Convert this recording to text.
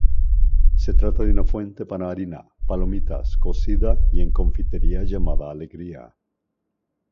Se trata de una fuente para harina, palomitas, cocida y en confitería llamada alegría.